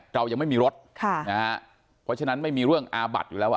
เรายังไม่มีรถค่ะนะฮะเพราะฉะนั้นไม่มีเรื่องอาบัดอยู่แล้วอ่ะ